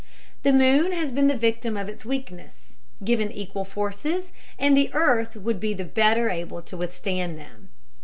The moon has been the victim of its weakness; given equal forces, and the earth would be the better able to withstand them.